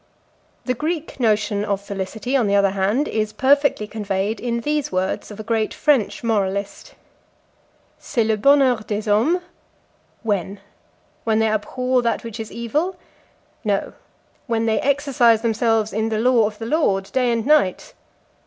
The Greek notion of felicity, on the other hand, is perfectly conveyed in these words of a great French moralist: "C'est le bonheur des hommes" when? when they abhor that which is evil? no; when they exercise themselves in the law of the Lord day and night?